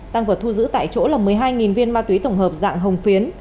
tăng vật thu giữ tại chỗ là một mươi hai viên ma túy tổng hợp dạng hồng phiến